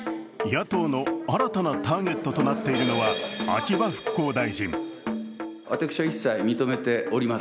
野党の新たなターゲットとなっているのは秋葉復興大臣。